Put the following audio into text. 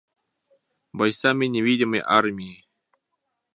бойцами невидимой армии.